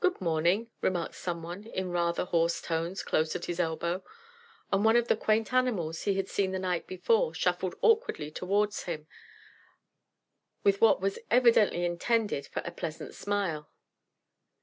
"Good morning," remarked someone in rather hoarse tones close at his elbow, and one of the quaint animals he had seen the night before shuffled awkwardly towards him with what was evidently intended for a pleasant smile.